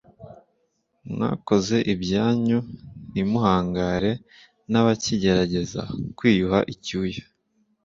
Mwakoze ibyanyu ntimuhangare nabakigerageza kwiyuha icyuya